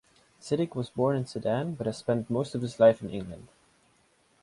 Siddig was born in Sudan but has spent most of his life in England.